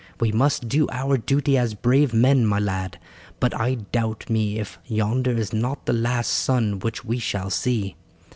We must do our duty as brave men, my lad, but I doubt me if yonder is not the last sun which we shall see.